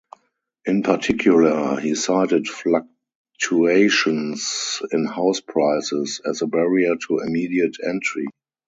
In particular, he cited fluctuations in house prices as a barrier to immediate entry.